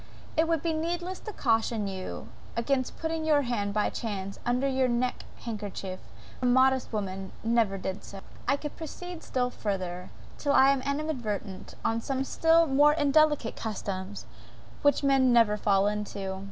"It would be needless to caution you against putting your hand, by chance, under your neck handkerchief; for a modest woman never did so!") I could proceed still further, till I animadverted on some still more indelicate customs, which men never fall into.